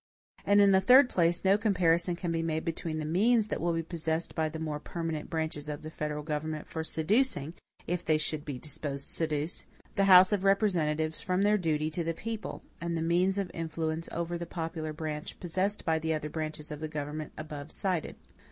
And in the third place, no comparison can be made between the means that will be possessed by the more permanent branches of the federal government for seducing, if they should be disposed to seduce, the House of Representatives from their duty to the people, and the means of influence over the popular branch possessed by the other branches of the government above cited.